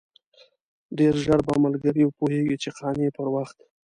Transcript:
ډېر ژر به ملګري وپوهېږي چې قانع پر وخت.